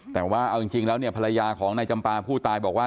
แต่ว่าเอาจริงแล้วเนี่ยภรรยาของนายจำปาผู้ตายบอกว่า